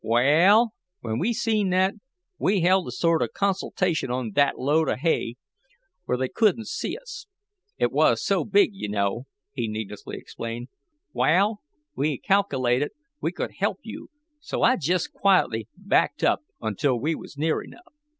"Wa'al, when we seen that, we held a sort of consultation on thet load of hay, where they couldn't see us. It was so big you know," he needlessly explained. "Wa'al, we calcalated we could help you, so I jest quietly backed up, until we was near enough.